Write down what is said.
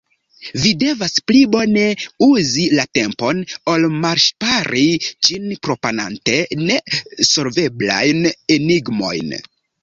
Vi devas pli bone uzi la tempon ol malŝpari ĝin proponante ne solveblajn enigmojn.